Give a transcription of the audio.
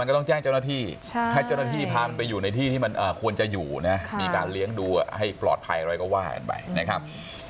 ก็ว่ากันไปนะครับ